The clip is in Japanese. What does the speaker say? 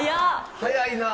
早いな！